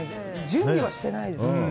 準備はしてないですね。